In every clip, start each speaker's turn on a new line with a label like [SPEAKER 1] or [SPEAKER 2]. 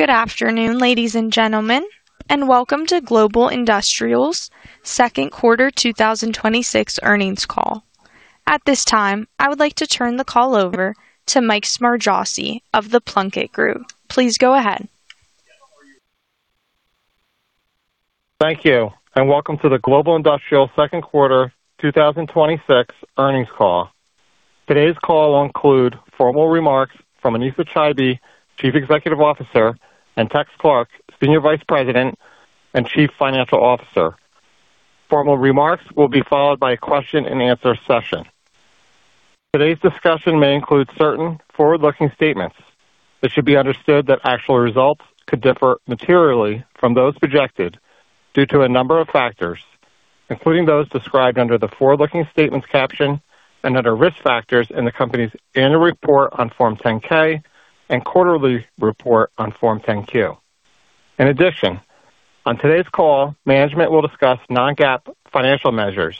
[SPEAKER 1] Good afternoon, ladies and gentlemen. Welcome to Global Industrial's second quarter 2026 earnings call. At this time, I would like to turn the call over to Mike Smargiassi of The Plunkett Group. Please go ahead.
[SPEAKER 2] Thank you. Welcome to the Global Industrial second quarter 2026 earnings call. Today's call will include formal remarks from Anesa Chaibi, Chief Executive Officer, and Tex Clark, Senior Vice President and Chief Financial Officer. Formal remarks will be followed by a question and answer session. Today's discussion may include certain forward-looking statements that should be understood that actual results could differ materially from those projected due to a number of factors, including those described under the forward-looking statements caption and other risk factors in the company's Annual Report on Form 10-K and quarterly report on Form 10-Q. In addition, on today's call, management will discuss non-GAAP financial measures.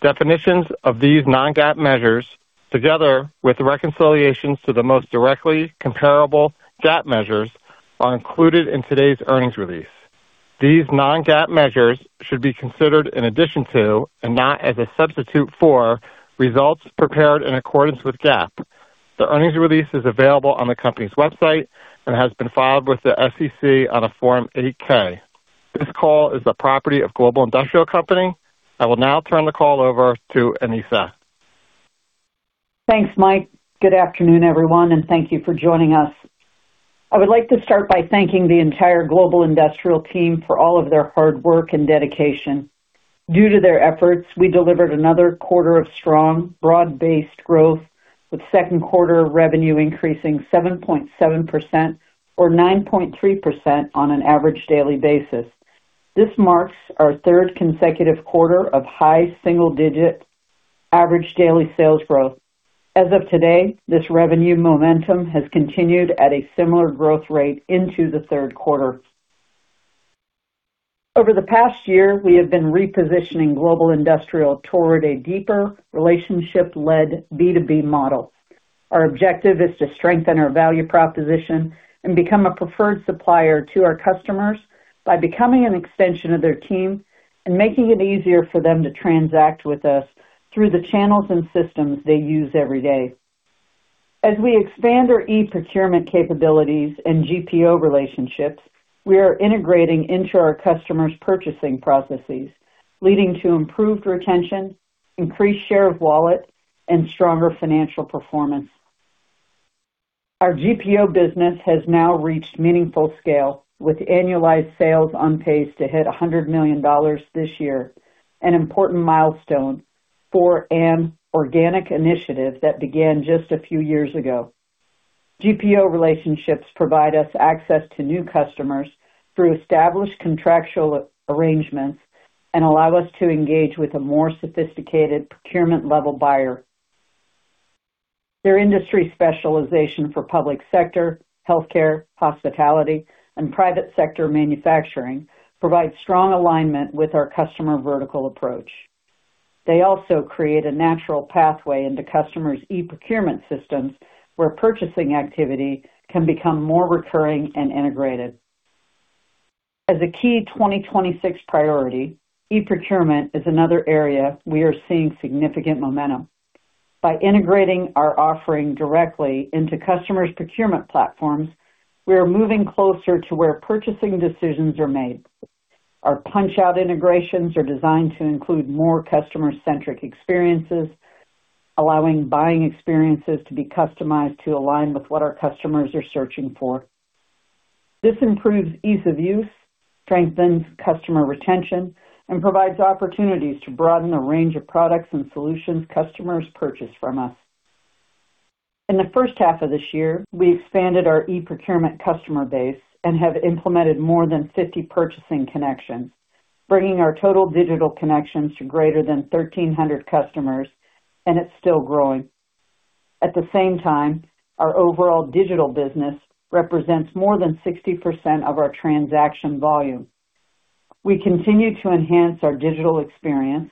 [SPEAKER 2] Definitions of these non-GAAP measures, together with reconciliations to the most directly comparable GAAP measures, are included in today's earnings release. These non-GAAP measures should be considered in addition to, and not as a substitute for, results prepared in accordance with GAAP. The earnings release is available on the company's website and has been filed with the SEC on a Form 8-K. This call is the property of Global Industrial Company. I will now turn the call over to Anesa.
[SPEAKER 3] Thanks, Mike. Good afternoon, everyone, and thank you for joining us. I would like to start by thanking the entire Global Industrial team for all of their hard work and dedication. Due to their efforts, we delivered another quarter of strong, broad-based growth, with second quarter revenue increasing 7.7% or 9.3% on an average daily basis. This marks our third consecutive quarter of high single-digit average daily sales growth. As of today, this revenue momentum has continued at a similar growth rate into the third quarter. Over the past year, we have been repositioning Global Industrial toward a deeper relationship-led B2B model. Our objective is to strengthen our value proposition and become a preferred supplier to our customers by becoming an extension of their team and making it easier for them to transact with us through the channels and systems they use every day. As we expand our e-procurement capabilities and GPO relationships, we are integrating into our customers' purchasing processes, leading to improved retention, increased share of wallet, and stronger financial performance. Our GPO business has now reached meaningful scale, with annualized sales on pace to hit $100 million this year, an important milestone for an organic initiative that began just a few years ago. GPO relationships provide us access to new customers through established contractual arrangements and allow us to engage with a more sophisticated procurement-level buyer. Their industry specialization for public sector, healthcare, hospitality, and private sector manufacturing provides strong alignment with our customer vertical approach. They also create a natural pathway into customers' e-procurement systems, where purchasing activity can become more recurring and integrated. As a key 2026 priority, e-procurement is another area we are seeing significant momentum. By integrating our offering directly into customers' procurement platforms, we are moving closer to where purchasing decisions are made. Our punch-out integrations are designed to include more customer-centric experiences, allowing buying experiences to be customized to align with what our customers are searching for. This improves ease of use, strengthens customer retention, and provides opportunities to broaden the range of products and solutions customers purchase from us. In the first half of this year, we expanded our e-procurement customer base and have implemented more than 50 purchasing connections, bringing our total digital connections to greater than 1,300 customers, and it's still growing. At the same time, our overall digital business represents more than 60% of our transaction volume. We continue to enhance our digital experience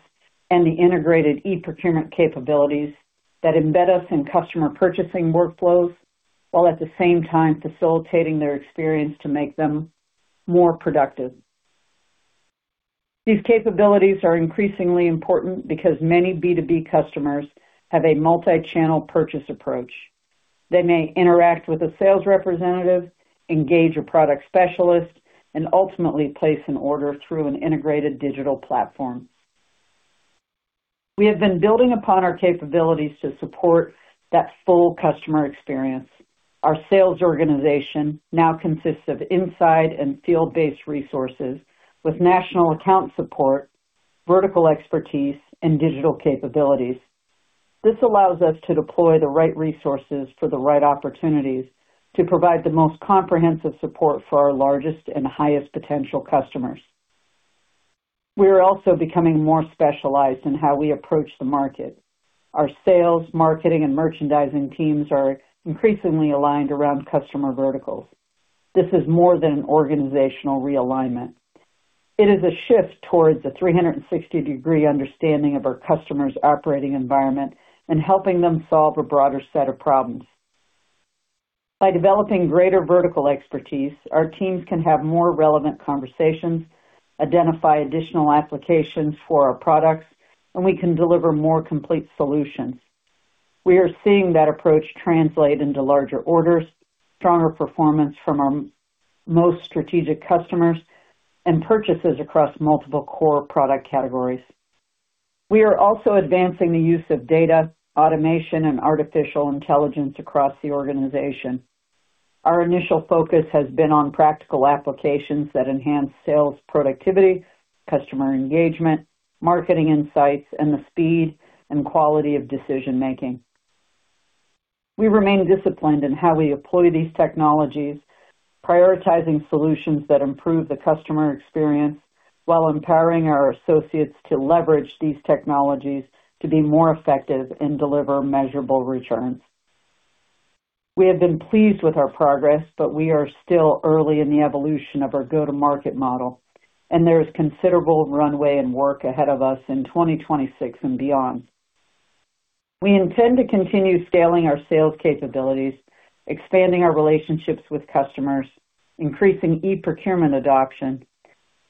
[SPEAKER 3] and the integrated e-procurement capabilities that embed us in customer purchasing workflows, while at the same time facilitating their experience to make them more productive. These capabilities are increasingly important because many B2B customers have a multi-channel purchase approach. They may interact with a sales representative, engage a product specialist, and ultimately place an order through an integrated digital platform. We have been building upon our capabilities to support that full customer experience. Our sales organization now consists of inside and field-based resources with national account support, vertical expertise, and digital capabilities. This allows us to deploy the right resources for the right opportunities to provide the most comprehensive support for our largest and highest potential customers. We are also becoming more specialized in how we approach the market. Our sales, marketing, and merchandising teams are increasingly aligned around customer verticals. This is more than an organizational realignment. It is a shift towards a 360-degree understanding of our customers' operating environment and helping them solve a broader set of problems. By developing greater vertical expertise, our teams can have more relevant conversations, identify additional applications for our products, and we can deliver more complete solutions. We are seeing that approach translate into larger orders, stronger performance from our most strategic customers, and purchases across multiple core product categories. We are also advancing the use of data, automation, and artificial intelligence across the organization. Our initial focus has been on practical applications that enhance sales productivity, customer engagement, marketing insights, and the speed and quality of decision-making. We remain disciplined in how we deploy these technologies, prioritizing solutions that improve the customer experience while empowering our associates to leverage these technologies to be more effective and deliver measurable returns. We have been pleased with our progress. We are still early in the evolution of our go-to-market model, and there is considerable runway and work ahead of us in 2026 and beyond. We intend to continue scaling our sales capabilities, expanding our relationships with customers, increasing e-procurement adoption,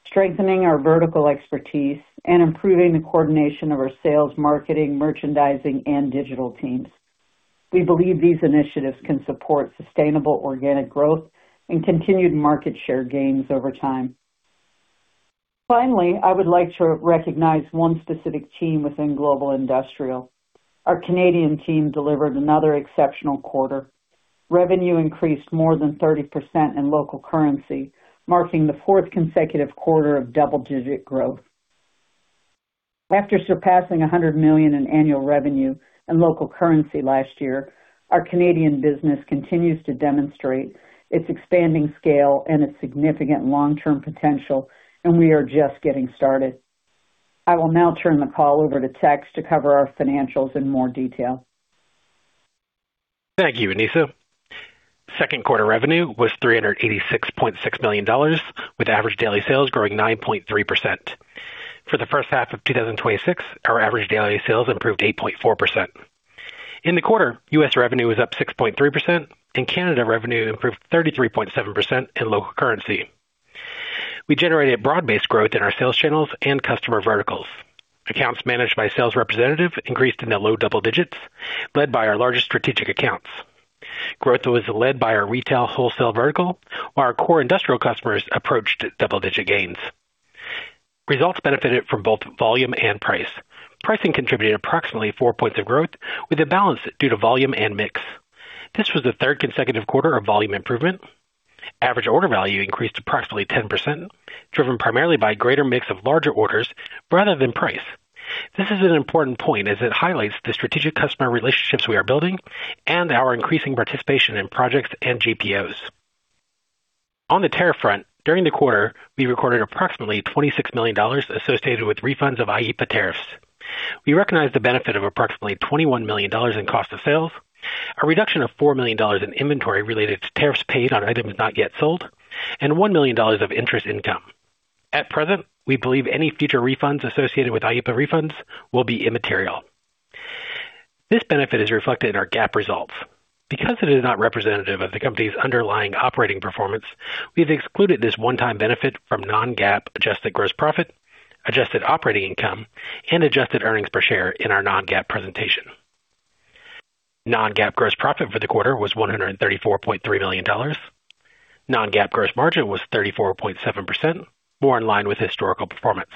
[SPEAKER 3] strengthening our vertical expertise, and improving the coordination of our sales, marketing, merchandising, and digital teams. We believe these initiatives can support sustainable organic growth and continued market share gains over time. Finally, I would like to recognize one specific team within Global Industrial. Our Canadian team delivered another exceptional quarter. Revenue increased more than 30% in local currency, marking the fourth consecutive quarter of double-digit growth. After surpassing 100 million in annual revenue and local currency last year, our Canadian business continues to demonstrate its expanding scale and its significant long-term potential. We are just getting started. I will now turn the call over to Tex to cover our financials in more detail.
[SPEAKER 4] Thank you, Anesa. Second quarter revenue was $386.6 million, with average daily sales growing 9.3%. For the first half of 2026, our average daily sales improved 8.4%. In the quarter, U.S. revenue was up 6.3%, and Canada revenue improved 33.7% in local currency. We generated broad-based growth in our sales channels and customer verticals. Accounts managed by sales representative increased in the low double digits, led by our largest strategic accounts. Growth was led by our retail wholesale vertical, while our core industrial customers approached double-digit gains. Results benefited from both volume and price. Pricing contributed approximately four points of growth, with a balance due to volume and mix. This was the third consecutive quarter of volume improvement. Average order value increased approximately 10%, driven primarily by greater mix of larger orders rather than price. This is an important point as it highlights the strategic customer relationships we are building and our increasing participation in projects and GPOs. On the tariff front, during the quarter, we recorded approximately $26 million associated with refunds of IEEPA tariffs. We recognized the benefit of approximately $21 million in cost of sales, a reduction of $4 million in inventory related to tariffs paid on items not yet sold, and $1 million of interest income. At present, we believe any future refunds associated with IEEPA refunds will be immaterial. This benefit is reflected in our GAAP results. Because it is not representative of the company's underlying operating performance, we've excluded this one-time benefit from non-GAAP adjusted gross profit, adjusted operating income, and adjusted earnings per share in our non-GAAP presentation. Non-GAAP gross profit for the quarter was $134.3 million. Non-GAAP gross margin was 34.7%, more in line with historical performance.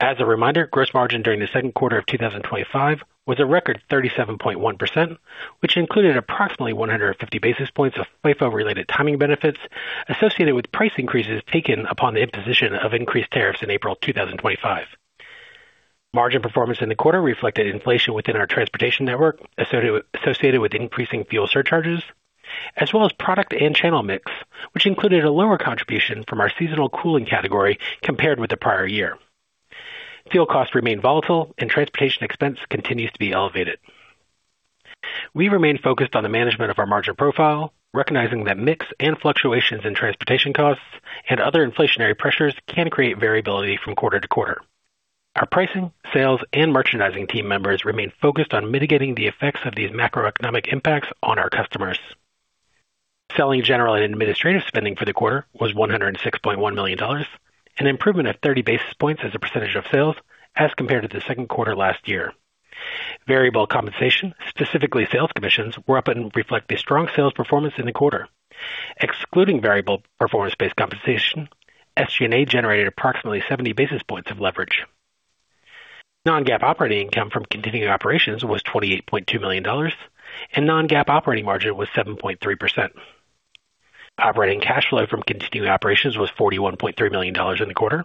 [SPEAKER 4] As a reminder, gross margin during the second quarter of 2025 was a record 37.1%, which included approximately 150 basis points of FIFO-related timing benefits associated with price increases taken upon the imposition of increased tariffs in April 2025. Margin performance in the quarter reflected inflation within our transportation network associated with increasing fuel surcharges, as well as product and channel mix, which included a lower contribution from our seasonal cooling category compared with the prior year. Fuel costs remain volatile, and transportation expense continues to be elevated. We remain focused on the management of our margin profile, recognizing that mix and fluctuations in transportation costs and other inflationary pressures can create variability from quarter to quarter. Our pricing, sales, and merchandising team members remain focused on mitigating the effects of these macroeconomic impacts on our customers. Selling general and administrative spending for the quarter was $106.1 million, an improvement of 30 basis points as a percentage of sales as compared to the second quarter last year. Variable compensation, specifically sales commissions, were up and reflect a strong sales performance in the quarter. Excluding variable performance-based compensation, SG&A generated approximately 70 basis points of leverage. Non-GAAP operating income from continuing operations was $28.2 million, and non-GAAP operating margin was 7.3%. Operating cash flow from continuing operations was $41.3 million in the quarter.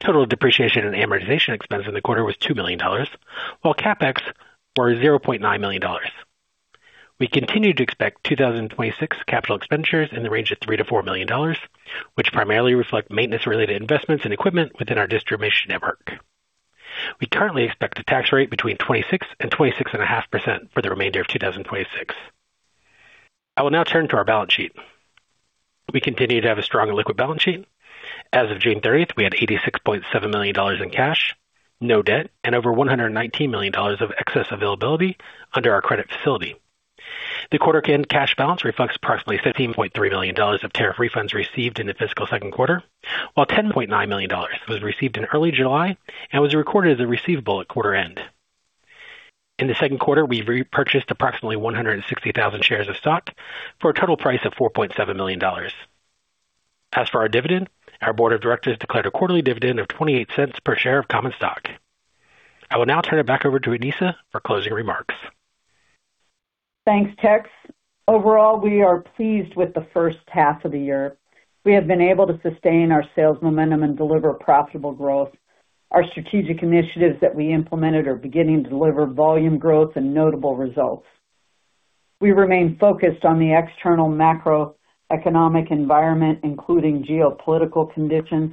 [SPEAKER 4] Total depreciation and amortization expense in the quarter was $2 million, while CapEx were $0.9 million. We continue to expect 2026 capital expenditures in the range of $3 million-$4 million, which primarily reflect maintenance-related investments and equipment within our distribution network. We currently expect a tax rate between 26% and 26.5% for the remainder of 2026. I will now turn to our balance sheet. We continue to have a strong and liquid balance sheet. As of June 30th, we had $86.7 million in cash, no debt, and over $119 million of excess availability under our credit facility. The quarter cash balance reflects approximately $15.3 million of tariff refunds received in the fiscal second quarter, while $10.9 million was received in early July and was recorded as a receivable at quarter end. In the second quarter, we repurchased approximately 160,000 shares of stock for a total price of $4.7 million. As for our dividend, our Board of Directors declared a quarterly dividend of $0.28 per share of common stock. I will now turn it back over to Anesa for closing remarks.
[SPEAKER 3] Thanks, Tex. Overall, we are pleased with the first half of the year. We have been able to sustain our sales momentum and deliver profitable growth. Our strategic initiatives that we implemented are beginning to deliver volume growth and notable results. We remain focused on the external macroeconomic environment, including geopolitical conditions,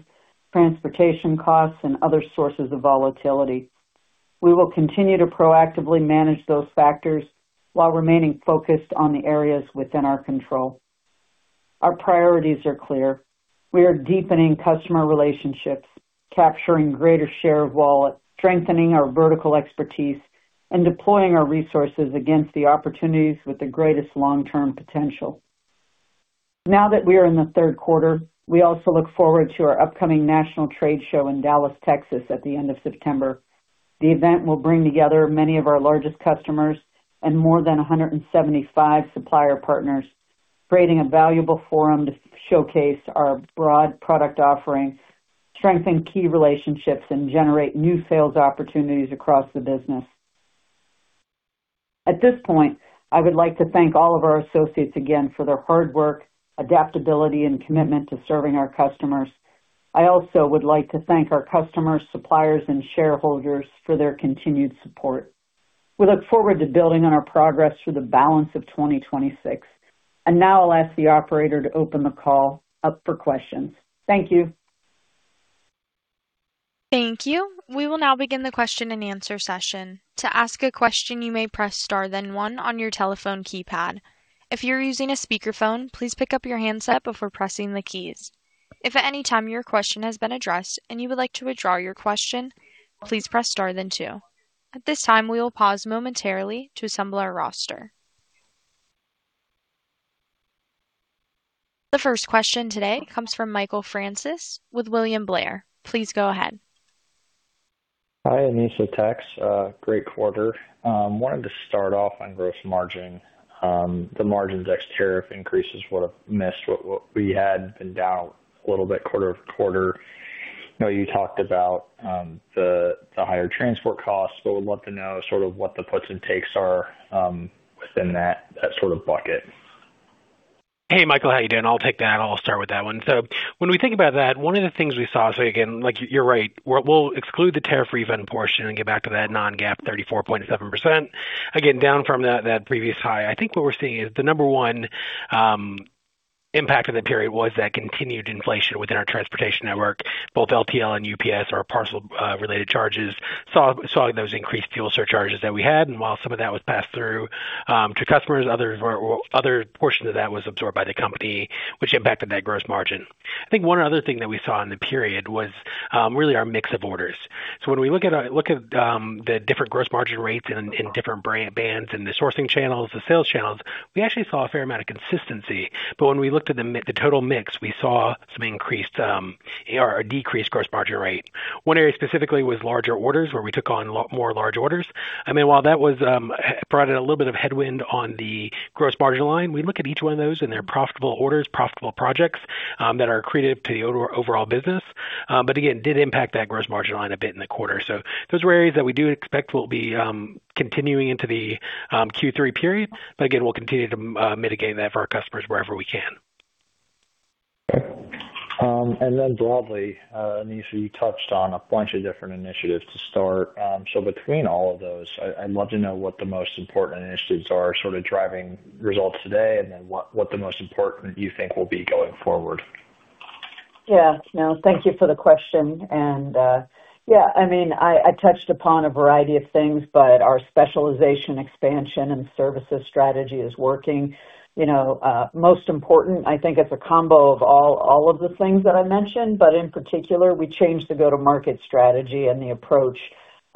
[SPEAKER 3] transportation costs, and other sources of volatility. We will continue to proactively manage those factors while remaining focused on the areas within our control. Our priorities are clear. We are deepening customer relationships, capturing greater share of wallet, strengthening our vertical expertise, and deploying our resources against the opportunities with the greatest long-term potential. Now that we are in the third quarter, we also look forward to our upcoming national trade show in Dallas, Texas, at the end of September. The event will bring together many of our largest customers and more than 175 supplier partners, creating a valuable forum to showcase our broad product offering, strengthen key relationships, and generate new sales opportunities across the business. At this point, I would like to thank all of our associates again for their hard work, adaptability, and commitment to serving our customers. I also would like to thank our customers, suppliers, and shareholders for their continued support. We look forward to building on our progress through the balance of 2026. Now I'll ask the operator to open the call up for questions. Thank you.
[SPEAKER 1] Thank you. We will now begin the question and answer session. To ask a question, you may press star then one on your telephone keypad. If you're using a speakerphone, please pick up your handset before pressing the keys. If at any time your question has been addressed and you would like to withdraw your question, please press star then two. At this time, we will pause momentarily to assemble our roster. The first question today comes from Michael Francis with William Blair. Please go ahead.
[SPEAKER 5] Hi, Anesa, Tex. Great quarter. Wanted to start off on gross margin. The margin ex tariff increases would have missed what we had been down a little bit quarter-over-quarter. I know you talked about the higher transport costs, but would love to know sort of what the puts and takes are within that sort of bucket.
[SPEAKER 4] Hey, Michael, how you doing? I'll take that. I'll start with that one. When we think about that, one of the things we saw, so again, like you're right, we'll exclude the tariff refund portion and get back to that non-GAAP 34.7%. Again, down from that previous high. I think what we're seeing is the number one impact of that period was that continued inflation within our transportation network, both LTL and UPS, our parcel related charges, saw those increased fuel surcharges that we had. While some of that was passed through to customers, other portions of that was absorbed by the company, which impacted that gross margin. I think one other thing that we saw in the period was really our mix of orders. When we look at the different gross margin rates in different bands and the sourcing channels, the sales channels, we actually saw a fair amount of consistency. When we looked at the total mix, we saw some decreased gross margin rate. One area specifically was larger orders where we took on more large orders. I mean, while that brought in a little bit of headwind on the gross margin line, we look at each one of those and they're profitable orders, profitable projects that are accretive to the overall business. Again, did impact that gross margin line a bit in the quarter. Those are areas that we do expect will be continuing into the Q3 period. Again, we'll continue to mitigate that for our customers wherever we can.
[SPEAKER 5] Broadly, Anesa, you touched on a bunch of different initiatives to start. Between all of those, I'd love to know what the most important initiatives are sort of driving results today, and then what the most important you think will be going forward.
[SPEAKER 3] Thank you for the question. I mean, I touched upon a variety of things, our specialization expansion and services strategy is working. Most important, I think it's a combo of all of the things that I mentioned, in particular, we changed the go-to-market strategy and the approach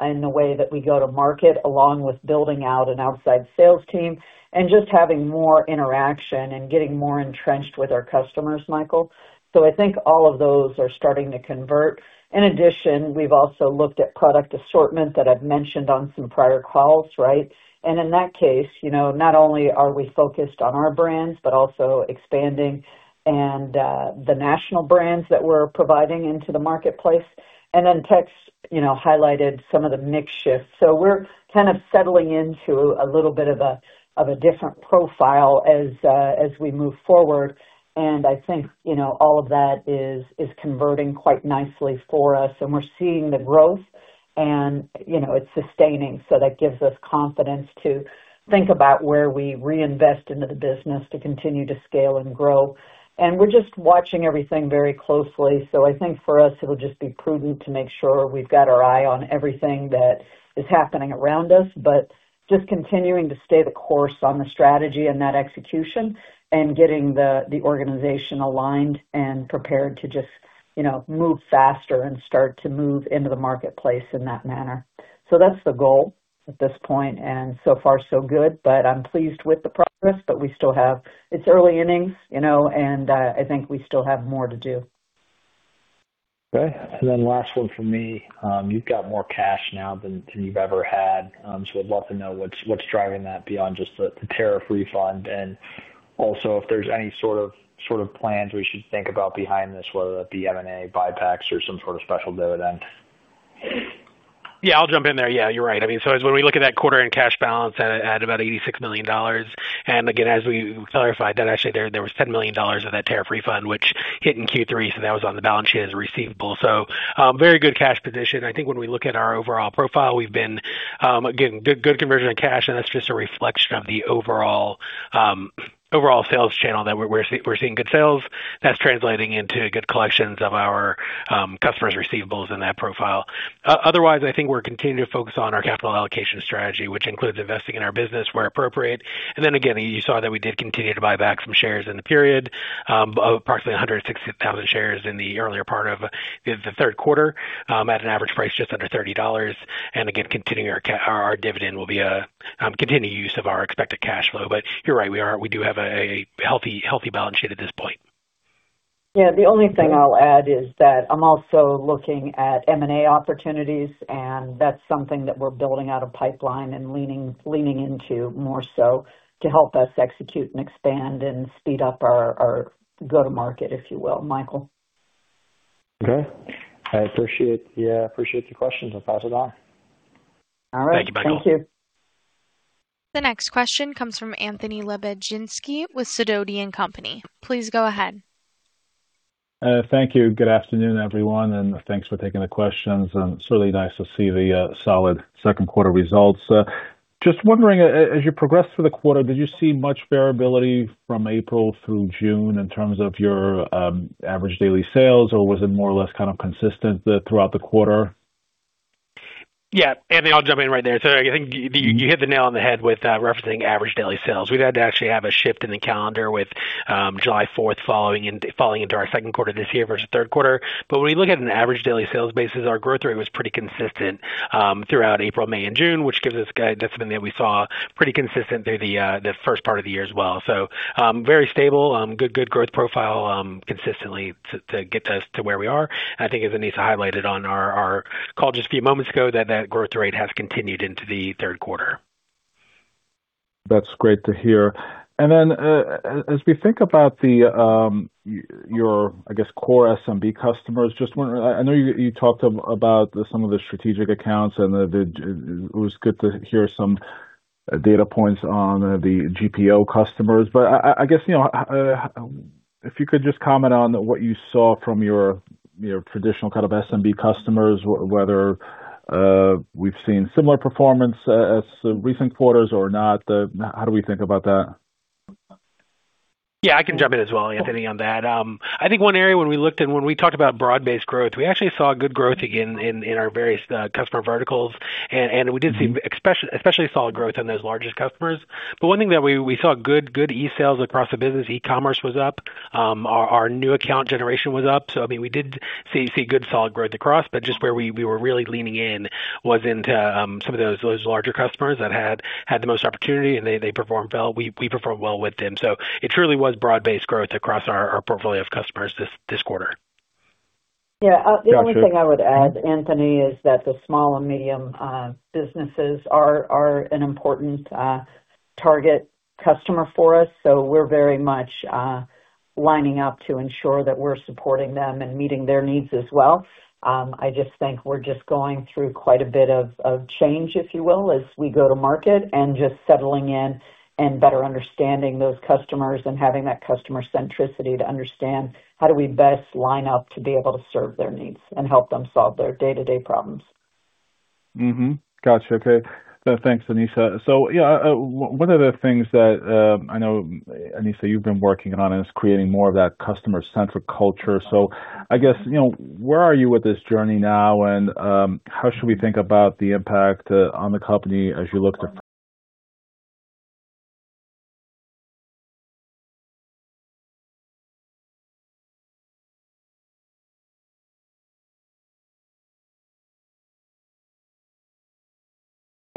[SPEAKER 3] in the way that we go to market, along with building out an outside sales team and just having more interaction and getting more entrenched with our customers, Michael. I think all of those are starting to convert. In addition, we've also looked at product assortment that I've mentioned on some prior calls, right? In that case, not only are we focused on our brands, but also expanding and the national brands that we're providing into the marketplace. Tex highlighted some of the mix shifts. We're kind of settling into a little bit of a different profile as we move forward. I think all of that is converting quite nicely for us, and we're seeing the growth. It's sustaining, that gives us confidence to think about where we reinvest into the business to continue to scale and grow. We're just watching everything very closely. I think for us, it'll just be prudent to make sure we've got our eye on everything that is happening around us, just continuing to stay the course on the strategy and that execution, and getting the organization aligned and prepared to just move faster and start to move into the marketplace in that manner. That's the goal at this point, and so far so good. I'm pleased with the progress, but it's early innings, and I think we still have more to do.
[SPEAKER 5] Okay. Last one from me. You've got more cash now than you've ever had. I'd love to know what's driving that beyond just the tariff refund, and also if there's any sort of plans we should think about behind this, whether that be M&A buybacks or some sort of special dividend.
[SPEAKER 4] I'll jump in there. You're right. When we look at that quarter in cash balance at about $86 million. Again, as we clarified that actually there was $10 million of that tariff refund, which hit in Q3, that was on the balance sheet as receivable. Very good cash position. I think when we look at our overall profile, we've been getting good conversion of cash, and that's just a reflection of the overall sales channel that we're seeing good sales. That's translating into good collections of our customers' receivables in that profile. Otherwise, I think we're continuing to focus on our capital allocation strategy, which includes investing in our business where appropriate. Again, you saw that we did continue to buy back some shares in the period, of approximately 160,000 shares in the earlier part of the third quarter, at an average price just under $30. Again, continuing our dividend will be a continued use of our expected cash flow. You're right, we do have a healthy balance sheet at this point.
[SPEAKER 3] Yeah. The only thing I'll add is that I'm also looking at M&A opportunities, and that's something that we're building out a pipeline and leaning into more so to help us execute and expand and speed up our go-to-market, if you will, Michael.
[SPEAKER 5] Okay. I appreciate, yeah. I appreciate the questions. I'll pass it on.
[SPEAKER 3] All right.
[SPEAKER 4] Thank you, Michael.
[SPEAKER 3] Thank you.
[SPEAKER 1] The next question comes from Anthony Lebiedzinski with Sidoti & Company. Please go ahead.
[SPEAKER 6] Thank you. Good afternoon, everyone. Thanks for taking the questions. It's really nice to see the solid second quarter results. Just wondering, as you progressed through the quarter, did you see much variability from April through June in terms of your average daily sales, or was it more or less kind of consistent throughout the quarter?
[SPEAKER 4] Yeah, Anthony, I'll jump in right there. I think you hit the nail on the head with referencing average daily sales. We've had to actually have a shift in the calendar with July 4th falling into our second quarter this year versus third quarter. When we look at an average daily sales basis, our growth rate was pretty consistent throughout April, May and June, which gives us guidance that we saw pretty consistent through the first part of the year as well. Very stable, good growth profile, consistently to get to where we are. I think as Anesa highlighted on our call just a few moments ago, that that growth rate has continued into the third quarter.
[SPEAKER 6] That's great to hear. As we think about your, I guess, core SMB customers, I know you talked about some of the strategic accounts and it was good to hear some data points on the GPO customers. I guess if you could just comment on what you saw from your traditional kind of SMB customers, whether we've seen similar performance as recent quarters or not. How do we think about that?
[SPEAKER 4] Yeah, I can jump in as well, Anthony, on that. I think one area when we looked and when we talked about broad-based growth, we actually saw good growth in our various customer verticals. We did see especially solid growth on those larger customers. One thing that we saw good e-sales across the business, e-commerce was up. Our new account generation was up. We did see good solid growth across, but just where we were really leaning in was into some of those larger customers that had the most opportunity, and we performed well with them. It truly was broad-based growth across our portfolio of customers this quarter.
[SPEAKER 6] Got you.
[SPEAKER 3] Yeah. The only thing I would add, Anthony, is that the small and medium businesses are an important target customer for us, we're very much lining up to ensure that we're supporting them and meeting their needs as well. I just think we're just going through quite a bit of change, if you will, as we go to market, and just settling in and better understanding those customers and having that customer centricity to understand how do we best line up to be able to serve their needs and help them solve their day-to-day problems.
[SPEAKER 6] Got you. Okay. Thanks, Anesa. Yeah, one of the things that I know, Anesa, you've been working on is creating more of that customer-centric culture. I guess, where are you with this journey now, and how should we think about the impact on the company as you look to—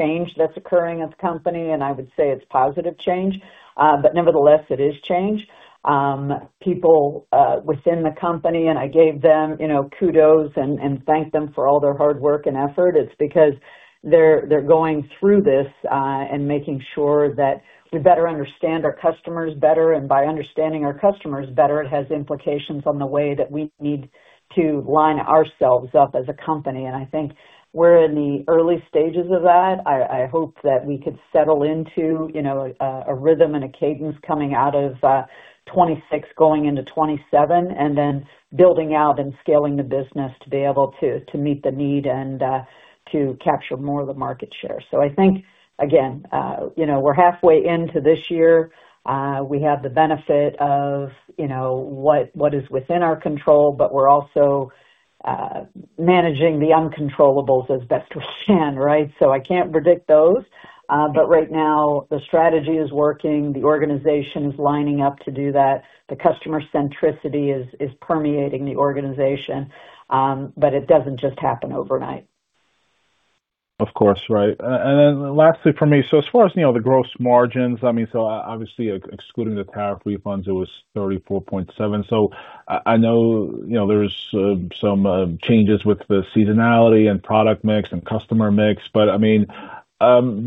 [SPEAKER 3] Change that's occurring as a company. I would say it's positive change. Nevertheless, it is change. People within the company, I gave them kudos and thanked them for all their hard work and effort. It's because they're going through this, and making sure that we better understand our customers better. By understanding our customers better, it has implications on the way that we need to line ourselves up as a company. I think we're in the early stages of that. I hope that we could settle into a rhythm and a cadence coming out of 2026, going into 2027, building out and scaling the business to be able to meet the need and to capture more of the market share. I think, again we're halfway into this year. We have the benefit of what is within our control, but we're also managing the uncontrollables as best we can, right? I can't predict those. Right now, the strategy is working. The organization is lining up to do that. The customer centricity is permeating the organization. It doesn't just happen overnight.
[SPEAKER 6] Of course. Right. Lastly for me, as far as the gross margins, obviously excluding the tariff refunds, it was 34.7%. I know there's some changes with the seasonality and product mix and customer mix.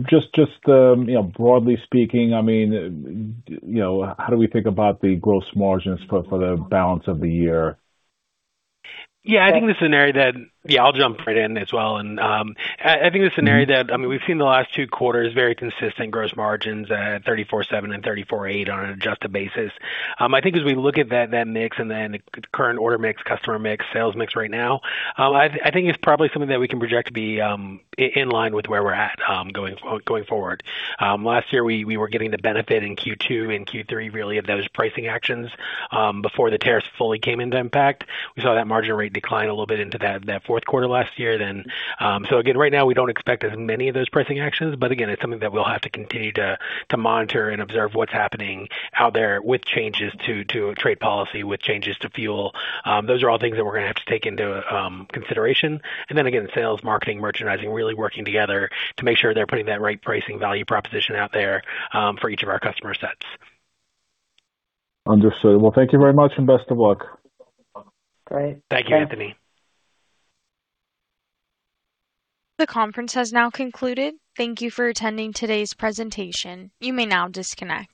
[SPEAKER 6] Just broadly speaking, how do we think about the gross margins for the balance of the year?
[SPEAKER 4] I think this is an area that I'll jump right in as well. I think this is an area that we've seen the last two quarters very consistent gross margins at 34.7% and 34.8% on an adjusted basis. I think as we look at that mix and then the current order mix, customer mix, sales mix right now, I think it's probably something that we can project to be in line with where we're at going forward. Last year, we were getting the benefit in Q2 and Q3, really, of those pricing actions, before the tariffs fully came into impact. We saw that margin rate decline a little bit into that fourth quarter last year. Again, right now, we don't expect as many of those pricing actions, but again, it's something that we'll have to continue to monitor and observe what's happening out there with changes to trade policy, with changes to fuel. Those are all things that we're going to have to take into consideration. Again, sales, marketing, merchandising, really working together to make sure they're putting that right pricing value proposition out there for each of our customer sets.
[SPEAKER 6] Understood. Well, thank you very much and best of luck.
[SPEAKER 3] Great.
[SPEAKER 4] Thank you, Anthony.
[SPEAKER 1] The conference has now concluded. Thank you for attending today's presentation. You may now disconnect.